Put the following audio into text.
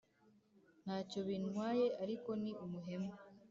ntacyo bintwaye ariko ni umuhemu